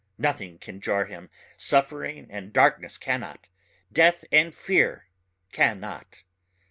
Nothing can jar him ... suffering and darkness cannot death and fear cannot.